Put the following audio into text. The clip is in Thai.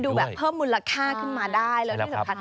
มันดูแบบเพิ่มมูลค่าขึ้นมาได้เลยนี่แหละครับ